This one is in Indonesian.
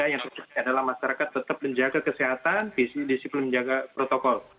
yang penting adalah masyarakat tetap menjaga kesehatan visi disiplin menjaga protokol